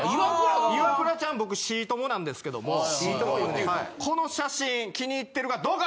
イワクラちゃん僕シー友なんですけどもこの写真気に入ってるかどうか！